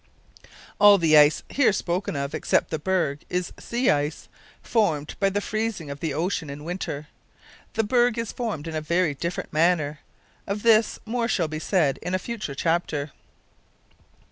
All the ice here spoken of, except the berg, is sea ice; formed by the freezing of the ocean in winter. The berg is formed in a very different manner. Of this more shall be said in a future chapter.